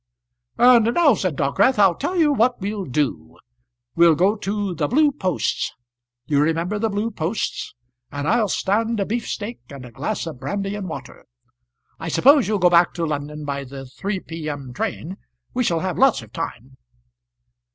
"And now," said Dockwrath, "I'll tell you what we'll do; we'll go to the Blue Posts you remember the Blue Posts? and I'll stand a beef steak and a glass of brandy and water. I suppose you'll go back to London by the 3 P.M. train. We shall have lots of time."